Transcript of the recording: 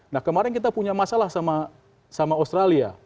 nah kemarin kita punya masalah sama australia